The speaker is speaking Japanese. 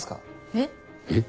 えっ？えっ！？